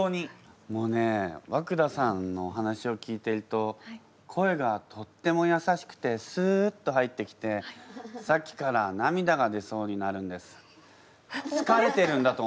もうね和久田さんの話を聞いてると声がとってもやさしくてスッと入ってきてさっきから涙が出そうになるんです。